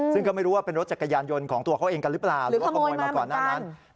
ซึ่งก็ไม่รู้ว่าเป็นรถจักรยานยนต์ของตัวเขาเองกันหรือเปล่าหรือว่าขโมยมาก่อนหน้านั้น